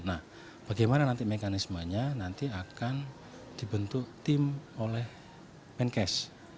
nah bagaimana nanti mekanismenya nanti akan dibentuk tim oleh menkes